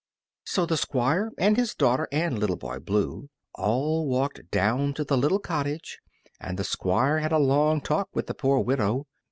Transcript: So the Squire and his daughter and Little Boy Blue all walked down to the little cottage, and the Squire had a long talk with the poor widow.